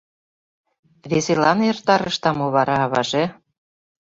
Веселан эртарышда мо вара, аваже?